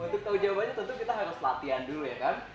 untuk tahu jawabannya tentu kita harus latihan dulu ya kan